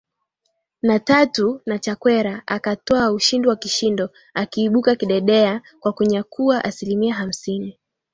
na tatu na Chakwera akatwaa ushindi wa kishindo akiibuka kidedea kwa kunyakua asilimia hamsini